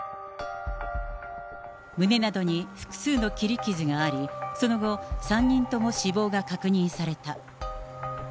胸などに複数の切り傷があり、その後、３人とも死亡が確認された。